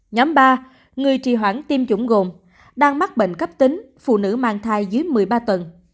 nhóm ba người trì hoãn tiêm chủng gồm đang mắc bệnh cấp tính phụ nữ mang thai dưới một mươi ba tuần